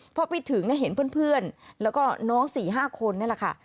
พอไปถึงเห็นเพื่อนแล้วก็น้อง๔๕คนนี่แหละค่ะ